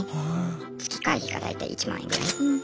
月会費が大体１万円ぐらい。